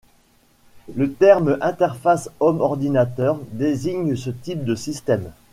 Le terme interface homme-ordinateur désigne ce type de système.